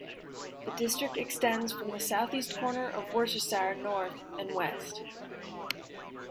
The district extends from the south-east corner of Worcestershire north and west.